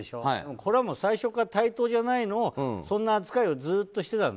これは最初から対等じゃないのをそんな扱いをずっとしてたの。